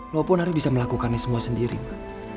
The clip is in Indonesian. lo pun hari bisa melakukannya semua sendiri ma